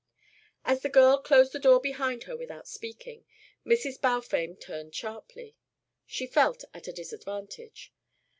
As the girl closed the door behind her without speaking, Mrs. Balfame turned sharply. She felt at a disadvantage.